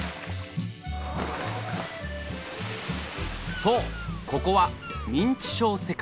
そうここは認知症世界。